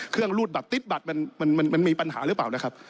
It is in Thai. เครื่องรูดแบบติ๊ดบัดมันมีปัญหาหรือเปล่านะครับ